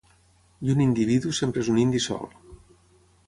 I un indi vidu sempre és un indi sol.